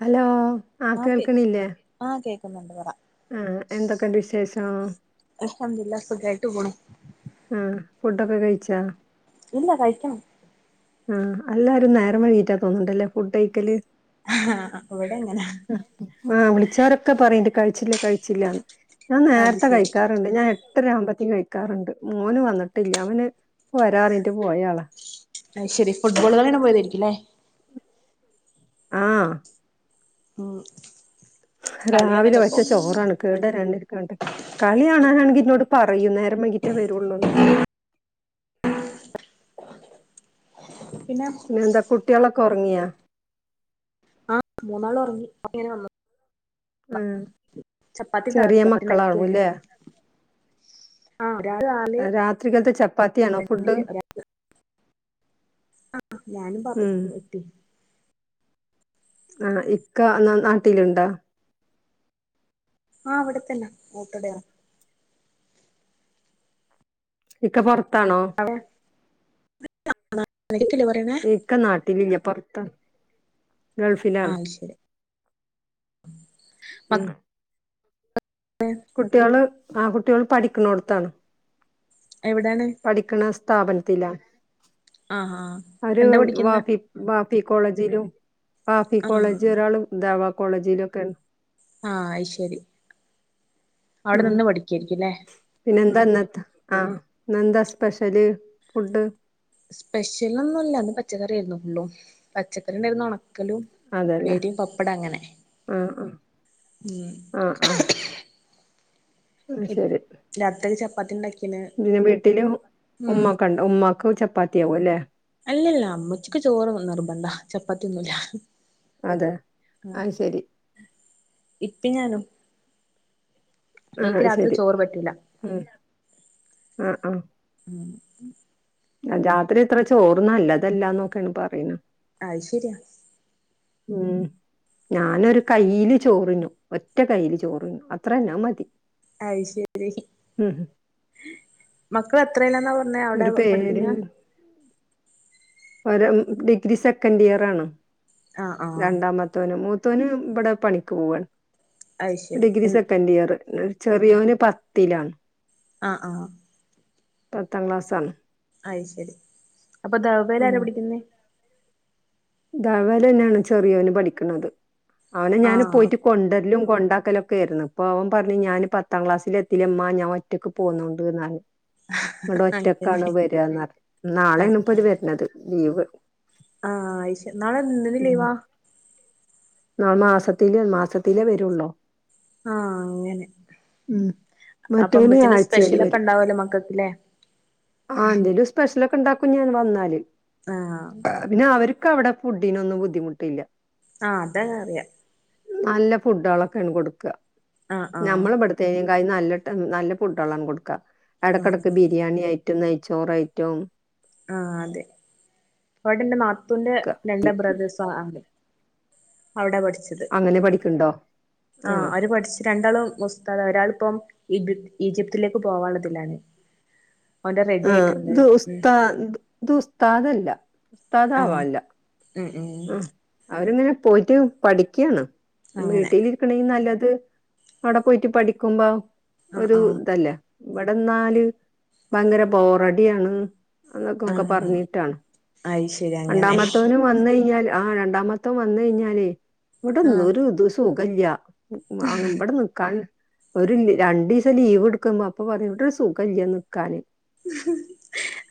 Hello ആഹ് കേൾക്ക്ണില്ലേ ആഹ് കേക്കുന്നുണ്ട് പറ ഉം എന്തൊക്കെണ്ട് വിശേഷോം അൽഹംദുലില്ല സുഖായിട്ടു പോണു ആഹ് ഫുഡൊക്കെ കഴിച്ചാ ഇല്ല കഴിക്കണം ആഹ് അല്ലാരും നേരം വൈകിട്ട തോന്നുന്നുണ്ടല്ലേ ഫുഡ് കഴിക്കല് ആഹ് അഹ് ഇവ്ടെ അങ്ങനാ ആഹ് വിളിച്ചോരൊക്കെ പറയിണ്ട് കഴിച്ചില്ല കഴിച്ചില്ലന്ന് ഞാൻ അത് നേരത്തെ ശരി കഴിക്കാറ ണ്ട് ഞാൻ എട്ടര ആവുമ്പത്തിന് കഴിക്കാറുണ്ട് മോന് വന്നിട്ടില്ല അവന് പ്പൊ വരാറിഞ്ഞിട്ട് പോയാളാ അയ്ശരി ഫുട്ബോൾ കളിയാണാം പോയതായിരിക്കില്ലേ ആഹ് [unintelligible] രാവിലെ കളിയാണല്ലോ വെച്ച ഇപ്പൊ ചോറാണ് കേടരാണ്ടെരിക്കൺണ്ട് കളിയാണാനാണങ്കിൽന്നോട് പറയും നേരം വെകിട്ടേ വരുള്ളൂന്ന് പിന്നെ എന്താ കുട്ടിയൊളൊക്കെ ഒറങ്ങിയാ ആഹ് മൂന്നാളും ഒറങ്ങി അപ്പൊ ഇങ്ങനെ [unintelligible] ആഹ് ചപ്പാത്തി ചെറിയ ഉണ്ടാക്കി ചപ്പാത്തി ഉണ്ടാക്കി മക്കളാവൂ കഴിഞ്ഞു ല്ലേ ആ ഒരാള് രാവിലെ രാത്രിക്കൽത്ത് ചപ്പാത്തിയാണോ ഫുഡ് ഫ്രണ്ടില് ആഹ് ഞാനും ഉം. വാപ്പിയിം [unintelligible] ആഹ് ഇക്ക എന്നാ നാട്ടിലുണ്ടോ ആഹ് ഇവിടെത്തന്നാ ഓട്ടോഡെയ്‌വറാ ഇക്ക പൊറത്താണോ അവിടെ കേക്കില്ലേ പറയണേ ഇക്ക് ക്ക നാട്ടിലില്ല പൊറത്തണ് ആ ഗൾഫിലാണ് ശരി ഉം മക്ക [unintelligible] കുട്ടിയൊള് ആഹ് കുട്ടിയോൾ പഠിക്കണോട്ത്താണ്. എവിടെണ് പഠിക്കണ സ്ഥാപനത്തില ആഹ് ആഹ് ഒരു എന്താ പഠിക്കുന്നെ വാഫി വാഫി കോളേജിലും വാഫി കോളേജ് ആഹ് ഒരാള് ദാഅവാ കോളേജിലൊക്കെണ്. ആഹ് അയ്ശരി. അവിടെ ഉം നിന്ന് പഠിക്കായിരിക്ക്ല്ലേ പിന്നെ എന്താ ന്നത്തെ ആഹ് ഇന്നെന്താ സ്പെഷ്യല് ഫുഡ് സ്പെഷ്യൽ ഒന്നുംല്ല ഇന്ന് പച്ചക്കറി ആയിരുന്നു ഫുള്ളും. പച്ചക്കറി ഉണ്ടായിരുന്നു ഉണക്ക ക്കലും അതല്ലേ ഉപ്പേരിയും പപ്പടം അങ്ങനെ ആഹ് ആഹ് ഉം അഹ് ശരി രാത്രിക് ചപ്പാത്തി ണ്ടാക്കി. പിന്നെ വീട്ടില് ഉമ്മക്ക്ണ്ട് ഉമ്മാക്ക് ചപ്പാത്തിയാകുംല്ലേ അല്ലല്ല മ്മച്ചിക്ക് ചോറ് നിർബന്താ. ചപ്പാത്തിയൊന്നുംല്ല. അതെ ആഹ് ശരി. ഇപ്പിയിം ഞാനും ഇൻക്ക് ആഹ് രാത്രി ശരി ചോറ് പറ്റുലാ ഉം ആഹ് ആഹ് ഉം. രാത്രി അത്ര ചോർ നല്ലതല്ലാന്നൊക്കെയാണ് പറയിണെ. അത് ശരിയാ. ഉം. ഞാനൊരു കൈയില് ചോർ തിന്നും. ഒറ്റ കൈയില് ചോറു അത്രന്നാ അ മതി. അത് ശരി. ഉം മക്കൾ എത്രലെന്നാ പറഞ്ഞെ അവിടെ ഒരു പേര് പഠിക്കുന്നെ? ഒരു ഡിഗ്രി സെക്കൻഡ് ഇയർ ആണ് ആഹ് ആഹ് രണ്ടാമ ത്തോനും മൂത്തോനും ഇവിടെ പണിക്ക് പോവാണ്. അത് ശരി ഡിഗ്രി സെക്കൻഡ് ഇയറ്. ചെറിയോന് പത്തിലാണ്. ആഹ് ആഹ്. പത്താം ക്ലാസ്സാണ്. അയ് ശരി. അപ്പൊ ധൗബയിൽ ആര പഠിക്കുന്നെ? ധൗബയിൽ തന്നെയാണ് ചെറിയോന് പഠിക്കണത്. അവനെ ഞാൻ ആഹ് പോയിട്ട് കൊണ്ടരലും കൊണ്ടാക്കലൊക്കെ ആയിരുന്നു. ഇപ്പ അവൻ പറഞ്ഞു ഞാൻ പത്താം ക്ലാസ്സിൽ എത്തില്ലേമ്മ. ഞാൻ ഒ റ്റക്ക് പോന്നൂണ്ട് എന്നാണ്. അതുകൊണ്ട് അങ്ങനെ ഒറ്റക്കാണ് വര ന്ന ആഹ് നാളെയണപ്പോ അവര് വരണത് ലീവ്. ആഹ് അയി ശരി നാളെ എന്തിന്റെ ഉം ലീവാ? നാളെ മാസത്തിലേ മാസത്തിലേ വരുള്ളൂ. ആഹ് അങ്ങനെ. ഉം അപ്പൊ മറ്റോന് ഉമ്മച്ചിന്റെ ആഴ്ചേല് സ്പെഷ്യലൊക്കെ ഉണ്ടാവല്ലോ മക്കൾക്ക്ല്ലേ? ആഹ് എന്തേലും സ്പെഷ്യലൊക്കെ ഇണ്ടാക്കും ഞാൻ വന്നാല്. ആഹ്. പിന്നെ അവർക്ക് അവിടെ ഫുഡിനൊന്നും ബുദ്ധിമുട്ടില്ല. ആഹ് അത അറിയാം നല്ല ഫുഡുകളൊക്കെയാണ് കൊടുക്കുക. ആഹ് ആഹ് നമ്മളവിടു ത്തേകായും നല്ല ട്ട് നല്ല ഫുഡ്കളാണ് കൊടുക്ക ഇടക്കിടക്ക് ആഹ് ബിരിയാണിയായി റ്റും നെയ്ച്ചോറായിറ്റും ആഹ് അതെ അവടെ എന്റെ നാത്തുന്റെ ഒക്കെ രണ്ട് ബ്രദേേഴ്സ് ആഹ് അവിടെ പഠിച്ചത് അങ്ങനെ പഠിക്കണ്ടോ ആ ആഹ് അവര് പഠിച്ച രണ്ടാളും ഉസ്താദാ ഒരാളിപ്പം ഈജിപ്തിലേക്ക് പോകാനുള്ളതിലാണ്. ആഹ് ഇത് ഉം ഉസ്താദ ഇത് ഉസ്താദല്ല ഉസ്താദ ആവാ ആഹ് അല്ല. ഉം ഉം. അവരങ്ങനെ പോയിട്ട് പഠിക്കാണ് അങ്ങനെ വീട്ടില് ക്കണേ നല്ലത് അവിടെ പോയിട്ട് പഠിക്കുമ്പോ ആഹ് ഒരു ആഹ് ഇതല്ലേ. ഇവടെ ന്നാല് ഭയങ്കര ബോറടിയാണ്. അന്നൊക്കെ ഒക്കെ ആഹ് പറഞ്ഞിട്ടാണ് അയ് ശരി അങ്ങനെ രണ്ടാമത്തോനും വന്ന് കഴിഞ്ഞാല് ആഹ് രണ്ടാമത്തോ വന്ന് കഴിഞ്ഞാലേ ആഹ് ഇവിടെന്തൊരു ഇത് സുഖില്ല. ഉ ആഹ് ഇവിടെ നിക്കാൻ. ഒരു രണ്ടു ദിവസം ലീവ് എടുക്കുമ്പ അപ്പൊ പറയും സുഖം ഇല്ല നിക്കാന്.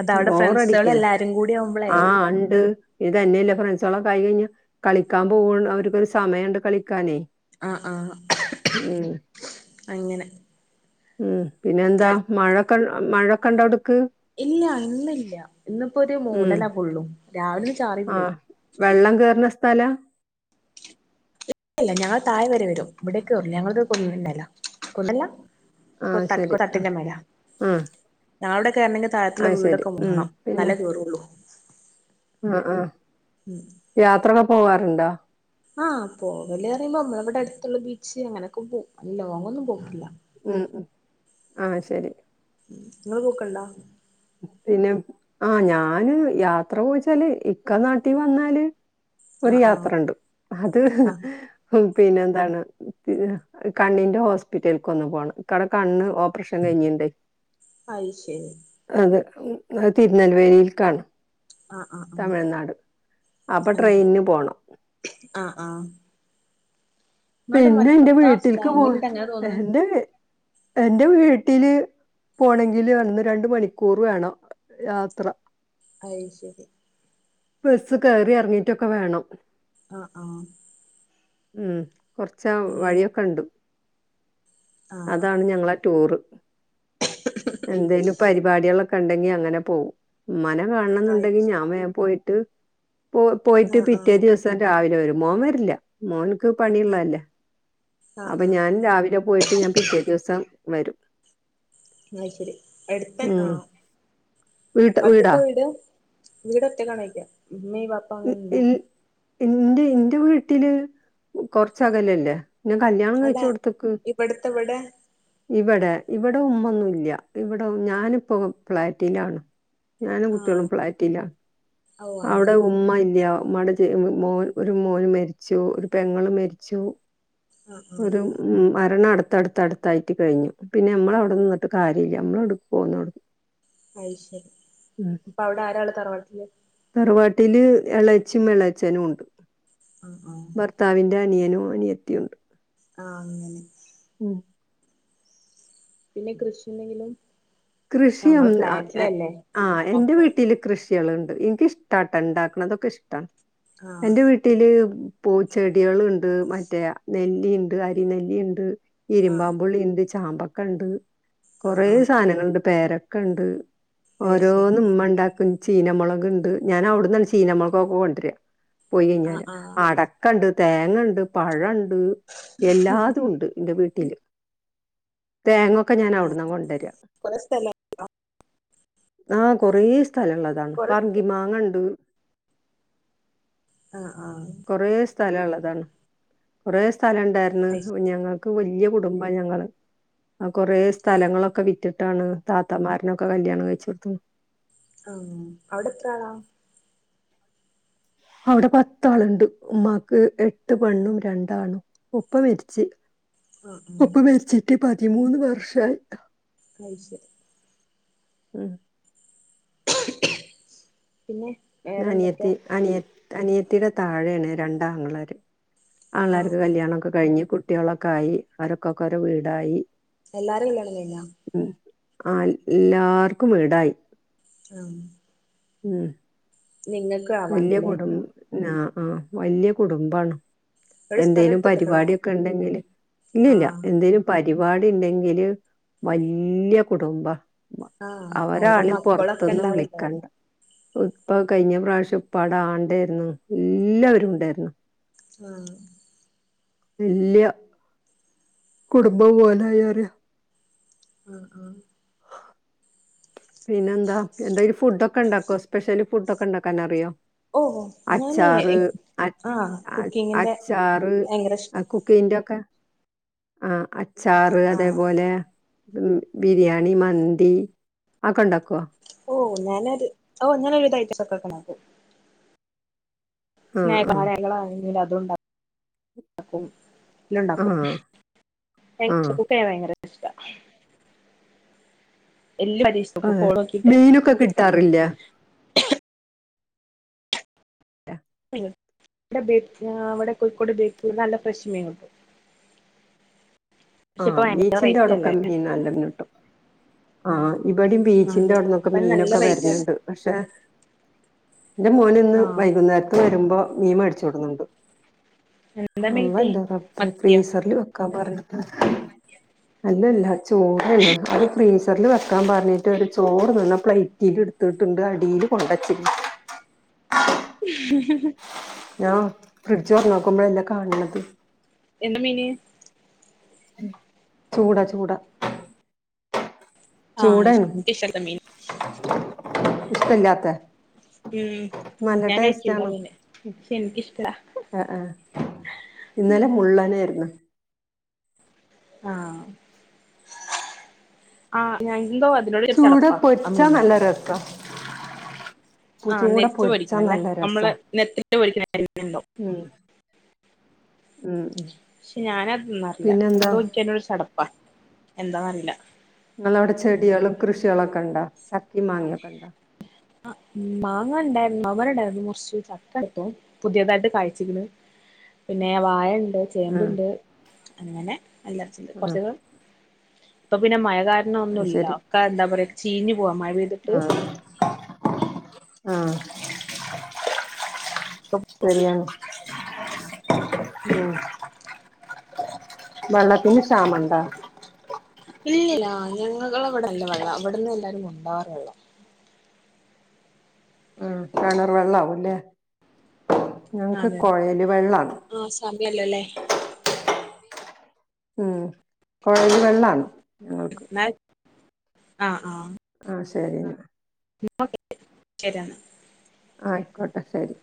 അതവിടെ ഫ്രണ്ട്സുകൾ ബോറടിക്ക എല്ലാരും കൂടി ആവുമ്പളേ ആഹ് ഇണ്ട്. ഇത് തന്നെയ ഇല്ല ഫ്രണ്ട്സോള്കായി കഴിഞ്ഞ് കളിക്കാൻ പോവാണ് അവർക്ക് ഒരു സമയമുണ്ട് കളിക്കാനേ. ആഹ് ആഹ് ഉം അങ്ങനെ. ഉം പിന്നെ എന്താ മഴക്കെ മഴയൊക്കെ ഉണ്ടോവിടെക്ക്? ഇല്ല ഇന്നില്ല ഇന്നിപ്പോ ഒരു ഉം. മൂഡല ഫുള്ളും രാവിലെ ഒന്ന് ചാറിപ്പോയി. ആഹ്. വെള്ളം കേറ്ണ സ്ഥല? എല്ല ഞങ്ങളെ തായ വരെ വരും ഇവിടെയൊക്കെ കേറൂല ഞങ്ങളരു കുന്നിൻ മേലാ കുണ്ടല്ല. കൊ ആഹ് തട്ട കൊ ശരി. ആഹ് തട്ടിന്റെറെ മേല. ആഹ് ഞങ്ങളോടെ കേറണെങ്കിൽ താഴത്ത് ഉള്ള അത് ശരി. വീടൊക്കെ ഉം. മുങ്ങണം പിന്നെ എന്നാലേ കേറുള്ളൂ. ആഹ് ആഹ് യാത്രൊക്കെ പോവാറുണ്ട? ആഹ് പോകല്റിമ്പോ നമ്മള ഇബടെ അട്ത്ത്ള്ള ബീച്ച് അങ്ങനെക്കെ പോവും. ലോങ്ങന്നും പോക്കില്ല. ഉം ഉം ആഹ് ശരി. ഇങ്ങള് പോക്ക്ണ്ടാ പിന്നെ ആഹ് ഞാന് യാത്ര പോയിച്ചാല് ഇക്ക നാട്ടി വന്നാല് ഒര് ആഹ് ആഹ് യാത്രണ്ട് അത് ആഹ് ഉം പിന്നെ എന്താണ് കണ്ണിന്റെ ഹോസ്പിറ്റൽക്ക് ഒന്ന് പോണം. ഇക്കാടെ കണ്ണ് ഓപ്പ്റേഷൻ കഴിഞ്ഞിണ്ട് അയി ശരി അത് തിരുനെൽവേലിയിൽക്കാണ് ആഹ് ആഹ് ആഹ് തമിഴ്നാട് അപ്പൊ അങ്ങനെ ട്രെയിന്ന് പോണം. ആഹ് ആഹ് നിങ്ങളുടെ പിന്നെ ന്റെ മലപ്പുറത്താ വീട്ടില്ക്ക് പോ സ്ലാങ്ങ് കേട്ടിട്ട് അങ്ങനെ തോന്നണ് എന്റെ എന്റെ വീട്ടില് പോണങ്കില് അന്ന്, രണ്ട് മണിക്കൂർ വേണം യാത്ര അയ് ശരി ബസ്സ് കയറി എർങ്ങീട്ടൊക്കെ വേണം. ആഹ് ആഹ് ഉം കൊർച്ചാ അങ്ങനെ വഴിയൊക്കെണ്ട്. ആഹ് അതാണ് ഞങ്ങളെ ടൂറ് എന്തേിലും പരിപാടി കളെക്കെണ്ടെങ്കി അങ്ങനെ പോവും. മ്മാനെ കാണ് ണ ന്നുണ്ടെങ്കി ആയിറ്റ് ഞാൻ വേം പോയിട്ട് പോ പോയിട്ട് ആഹ് പിറ്റേ ആഹ് ദിവസം രാവിലെ വരും. മോൻ വരില്ല മോൻക്ക് പണിയുള്ളേ ല്ല ആഹ് അപ്പൊ ആഹ് ഞാൻ രാവിലെ പോയിട്ട് ഞാൻ പിറ്റേ ദിവസം വരും. ന്നാ ശരി എട്ത്തന്നേ ആ ഉം വീട്ട ഒറ്റക്കാ വീടാ വീട് വീട് ഒറ്റക്കാണോയിക്ക ഇമ്മീം വാ ഇൽ ഇന്റെ ഇന്റെ വീട്ടില് കൊർച്ചകലല്ലേ ഇന്നേ കല്യാണം അല്ല കഴിച്ചോട്ത്ത്ക്ക് ഇവിടത്തെ ഇവിടെ ഇവടെ ഇവടെ ഉമ്മൊന്നുംല്ല. ഇവടെ ഞാനിപ്പോ ഫ്ളാറ്റിലാണ്. ഞാനും ആഹ് കുട്ട്യേളും ഫ്ലാറ്റിലാ ഓ അവ്ടെ അങ്ങനെ ഉമ്മ ഇല്ല ഉമ്മാടെ മോൻ ഒരു മോന് മരിച്ചു ഒരു പെങ്ങള് മര്ച്ചു ആഹ് ആഹ് ഒരു മരണ അട്ത്തട്ത്തട് ത്തായിട്ട് കഴിഞ്ഞു. പിന്നെ അമ്മള അവിടെ നിന്നിട്ട് കാര്യല്ല. നമ്മള് ങ്ങട് പോന്നു അയ് ശരി ഇപ്പൊ അവിടെ ആരാള്ള തറവാട്ട്ല്? തർവാട്ടില് എളേച്ചിം എളേച്ചനും ഉണ്ട്. ആഹ് ആഹ് ഭർത്താവിന്റെ അനിയനും അനിയത്തിയുണ്ട്. ആഹ് അങ്ങനെ ഉം പിന്നെ കൃഷി എന്തെങ്കിലും ആഹ് കൃഷിയും ഇങ്ങള് ഒന്നും ആഹ് ഫ്ലാറ്റിലല്ലേ ആ എന്റെ അപ്പം വീട്ടില് കൃഷി യള് ണ്ട് ഇൻക്ക് ഇഷ്ടാട്ടാ ഇണ്ടാക്ക്ണതൊക്കെ ഇഷ്ടാ ആഹ് എന്റെ വീട്ട് ട്ടില് പൂച്ചെടിയേള്ണ്ട്, മറ്റേ നെല്ലിണ്ട് അരി നെല്ലിണ്ട്. ആഹ് ഇരുമ്പാമ്പുളിണ്ട്, ചാമ്പക്കണ്ട് ആഹ് കൊറേ ആഹ് സാനങ്ങള്ണ്ട് പേരക്കണ്ട് അത് ശരി ഓരോന്ന് ഇമ്മ ണ്ടാക്കും. ചീന മൊളക്ണ്ട് ഞാൻ അവിട്ന്നാണ് ചീനമൊളകൊക്കെ കൊണ്ടരാ പോയി ആഹ് കയിഞ്ഞാല് ആഹ് അടക്കണ്ട്, തേങ്ങണ്ട്, പഴണ്ട്. എല്ലാതൂണ്ട് ന്റെ വീട്ടില്. തേങ്ങൊക്കെ ഞാൻ അവ്ടുന്നാ കൊണ്ടര കൊറേ സ്ഥലം ആ കൊറേ സ്ഥലള്ളതാണ് കൊറേ പർങ്കി മാങ്ങണ്ട്. ആഹ് ആഹ് കൊറേ സ്ഥലള്ളതാണ്. കൊറേ സ്ഥലം ഇണ്ടാർന്ന്. അത് ശരി ഞങ്ങക്ക് വല്യ കുടുംബാ ഞങ്ങള് അ കൊറേ ആഹ് സ്ഥലങ്ങളൊക്കെ വിറ്റിട്ടാണ് താത്തമാരനൊക്കെ കല്ല്യാണം കഴിച്ച് കൊടുത്ത് ആഹ് അവ്ടെത്രാളാ. ഔടെ പത്താള്ണ്ട് ഉമ്മാക്ക് എട്ട് പെണ്ണും രണ്ടാണും. ഉപ്പ മര്ച്ച് ആഹ് ഉപ്പ മര്ച്ചിറ്റ് പതിമൂന്ന് വർഷായി. അയ്ശെരി. ഉം. പിന്നെ. വേറെന്തൊക്കെയാ അനിയത്തി അനിയ അനിയത്തിടെ താഴേണ് രണ്ടാങ്ങളാര്. ആഹ് ആൺളർക്ക് ആഹ് കല്യാണൊക്കെ കഴിഞ്ഞ് കുട്ട്യോളൊക്കായി അവരൊക്കൊക്കൊരു വീടായി. എല്ലാര കല്യാണം കയിഞ്ഞ ഉം ആ ല്ലാർക്കും വീടായി. ആഹ്. ഉം. നിങ്ങൾ. വല്ല്യ കുടും നാ ആ വല്ല്യ കുടുംബാണ്. ഇവിടെ സ്ഥലം എന്തേലും എടുത്തിട്ടക്കണോ പരിപാട്യൊക്കെണ്ടെങ്കില് ഇല്ലല്ല ആഹ് എന്തേലും. പരിപാടിണ്ടെങ്കില് വല്ല്യ കുടുംബ. ആഹ് ഓരോ അവരാളിം മക്കളൊക്കെ പൊർത്ത്ന്ന് ഇണ്ടാവല്ലോ വിളിക്കണ്ട. ഇപ്പൊ കയിഞ്ഞ പ്രാവശ്യം ഉപ്പാടെ ആണ്ടാര്ന്നു എല്ലാരും ഇണ്ടായിര്ന്ന്. ആഹ്. ഇല്ല്യ. കുടുംബം പോലായാര്. ആഹ് ആഹ്. പിന്നന്താ എന്തേലും ഫുഡ്ഡൊക്കെണ്ടാക്കോ സ്പെഷ്യൽ ഫുഡ്ഡൊക്കണ്ടാക്കാനറിയോ. ഓ ഞാനേ അച്ചാറ് അ ആഹ് അ കുക്കിങ്ങിന്റെ അച്ചാറ് ഭയങ്കര ഇഷ്ടാ അ കു. പ്പീന്റൊക്കെ ആ അച്ചാറ് ആഹ് അതേപോലെ. ഉം ബിര്യാണി മന്തി. അക്കൊണ്ടാക്കോ. ഓഹ് ഞാനൊരു ഓഹ് ഞാനൊരു വിധം ഐറ്റക്കെ [unintelligible] ണ്ടാക്കും. ആ സ്നേ ആ [unintelligible] ങ്ങളാണെങ്കിലതുണ്ടാക്കും. ല്ലുണ്ടാക്കും. ആഹ് [unintelligible] ആഹ് പ്പേ ഭയങ്കര ഇഷ്ട എല്ലു ഒരിശ് അതെ മീനൊക്കെ കിട്ടാറില്ലേ. ട്ട. [unintelligible] വടെ ബജ്ജാ വടെ കൊയ്ക്കോട് ബേപ്പൂർ നല്ല ഫ്രഷ് മീൻ കിട്ടും. പക്ഷെ ഇപ്പൊ ആഹ് ഭയങ്കര റേറ്റ് ബീച്ചിന്റവ്ടൊക്കെ അല്ലേ? മീൻ നല്ലിത്ന്നെ കിട്ടും ആഹ് ഇബടിം അത് ബീച്ചിന്റവ്ട്ന്നൊക്കെ ഇപ്പ നല്ല മീനൊക്കെ റേറ്റ് ആണ് വര്ന്ണ്ട്. പക്ഷെ ന്റെ മോന്ന്ന് ആഹ് വൈകുന്നേര പ്പ വരുമ്പോ മീമേടിച്ചു കൊടുന്നുണ്ട് എന്താ മീൻ കിട്ടി? അള്ളന്റെ റബ്ബേ മത്തിയോ ഫ്രീസറിൽ വെക് കബർല് [unintelligible] അല്ലല്ല ചോറ്‌നു അ ഫ്രീസർല് വെക്കാ പർഞ്ഞിട്ടൊരു ചോറ് തിന്നെ പ്ലൈറ്റിലിട്ത്തിട്ട്ണ്ട് അടീല് കൊണ്ടച്ച് [inaudible] ഞാ ഫ്രിഡ്ജ് തൊർന്നൊക്കുമ്പോഴല്ലെ കാൺണത്. എന്ത് മീന്. ഉം ചൂട ചൂട ആഹ് ചൂടെണ് എനിക്കിഷ്ടല്ല മീൻ ഇഷ്ടല്ലാത്ത. ഉം നല്ല ഞാൻ കഴിച്ചില്ല ആ മീനെ ക്ഷെ ഇൻക്കിഷ്ടാ. അ ആഹ് ഇന്നലെ മുള്ളനെര്ന്ന്. ആഹ്. ആഹ് ഞാ എന്തോ അതിനോടൊരു ചടപ്പാ ആ മീനട്. ത്ര വക്ക. ആഹ് നെച്ച് പൊരിക്കണല്ലേ അമ്മള് നെത്തിട്ട പൊരിക്കണ കാര്യണ്ടോ ഉം ഉം പക്ഷെ ഞാനത് തിന്നാറില്ല പിന്നെന്താ എന്തോ ഇക്കയ്നോട് ചടപ്പാ എന്താന്നറിയില്ല നിങ്ങളവിടെ ചെടികളും കൃഷികളൊക്കൊ ണ്ടോചക്കിം മാങ്ങിയൊക്കെണ്ടാ? ആ മാങ്ങ ഉണ്ടാര്ന്ന് മാങ്ങണ്ടായിരുന്നു കുറച്ച് ചക്ക എടുത്തു പുതിയതായിട്ട് കാഴ്ചിക്ക്ണ് പിന്നെ വാഴണ്ട് ആഹ് ചേമ്പ്ണ്ട് അങ്ങനെ അല്ലറ ചില്ലറ ആഹ് കുറച്ച ഇപ്പൊ പിന്നെ മഴ അത് കാരണോന്നുല്ല ഒക്കെ എന്താ പറയാ ചീഞ്ഞ് പോവാ മഴ ആഹ്ആഹ് ശെരിയാണ് മ ഉം വള്ളത്തിന് ക്ഷാമണ്ടോ? ഇല്ലില്ല ഞങ്ങള്ത് അവിടെല്ല വെള്ള ഇവിട്ന്ന് എല്ലാരും കൊണ്ടാവാറ്ള്ളു ആ കെണർ വെള്ളാവും ലേ ഞങ്ങക്ക് അതെ കൊഴൽ വെള്ളാണ് ആഹ് സമയല്ലോല്ലേ ഉംകൊഴൽ വെള്ളാണ് ഞങ്ങൾക്ക് ആഹ് ആഹ് ആഹ് ശെരിന്നാ [unintelligible] ആയിക്കോട്ടെ ശെരി